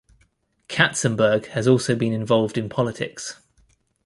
Katzenberg has also been involved in politics.